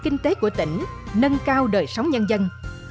kinh tế của tỉnh nâng cao đời sống nhân dân